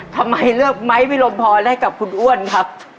ทำไมเลือกไม้วิรมพรให้กับคุณอ้วนครับ